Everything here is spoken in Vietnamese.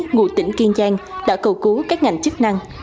ngụ tỉnh kiên giang đã cầu cứu các ngành chức năng